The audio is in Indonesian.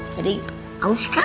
jadi aus kan